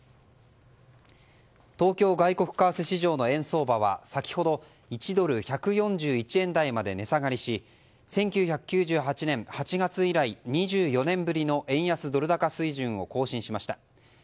東京外国為替市場の円相場は先ほど１ドル＝１４１円台まで値下がりし１９９８年８月以来２４年ぶりの円安ドル高水準を更新しました。